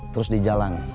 terus di jalan